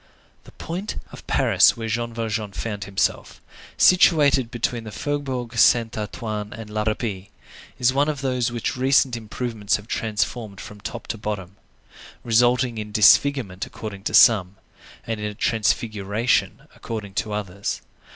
The point of Paris where Jean Valjean found himself, situated between the Faubourg Saint Antoine and la Râpée, is one of those which recent improvements have transformed from top to bottom,—resulting in disfigurement according to some, and in a transfiguration according to others.